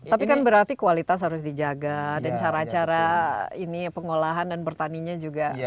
tapi kan berarti kualitas harus dijaga dan cara cara ini pengolahan dan bertaninya juga